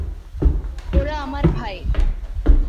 ওরা আমার ভাই।